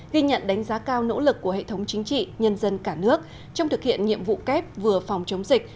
ghi nhận đánh giá cao nỗ lực của hệ thống chính trị nhân dân cả nước trong thực hiện nhiệm vụ kép vừa phòng chống dịch